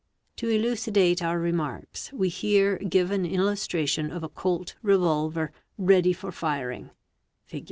'To elucidate ow ; remarks we here give an illustre Hig. 54. tion of a 'Colt'? Revolver read; for firing, Fig.